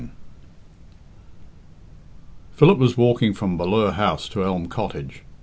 XVII. Philip was walking from Ballure House to Elm Cottage.